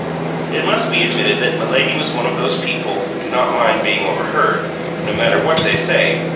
It must be admitted that Milady was one of those people who do not mind being overheard, no matter what they say.